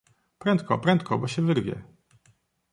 "Prędko, prędko, bo się wyrwie!"